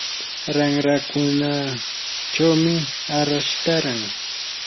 ranrakunachawmi arash taaran.